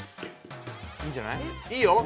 いいんじゃない？いいよ！